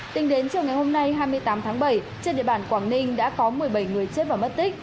tính đến chiều ngày hôm nay hai mươi tám tháng bảy trên địa bàn quảng ninh đã có một mươi bảy người chết và mất tích